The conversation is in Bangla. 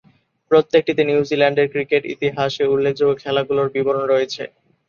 প্রত্যেকটিতে নিউজিল্যান্ডের ক্রিকেট ইতিহাসের উল্লেখযোগ্য খেলাগুলোর বিবরণ রয়েছে।